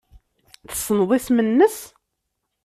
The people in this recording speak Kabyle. Tessneḍ isem-nnes?